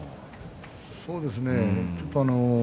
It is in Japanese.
そうですね。